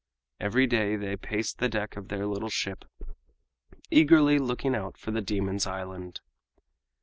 Every day they paced the deck of their little ship, eagerly looking out for the demons' island.